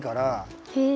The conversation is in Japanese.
へえ。